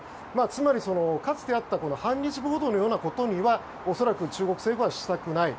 つまり、かつてあった反日暴動のようなことには恐らく中国政府はしたくない。